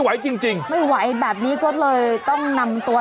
ขอบคุณครับขอบคุณครับ